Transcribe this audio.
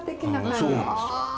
そうなんですよ！